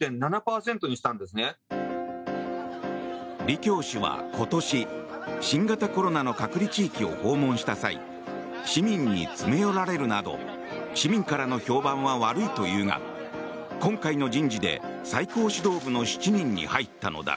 リ・キョウ氏は今年新型コロナの隔離地域を訪問した際市民に詰め寄られるなど市民からの評判は悪いというが今回の人事で最高指導部の７人に入ったのだ。